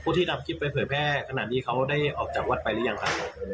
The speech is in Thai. ผู้ที่ทำคลิปแผ่แพร่ขนาดนี้เขาได้ออกจากวัดไปหรือยังคะ